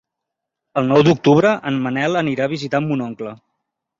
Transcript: El nou d'octubre en Manel anirà a visitar mon oncle.